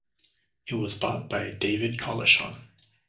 It was bought by David Collischon.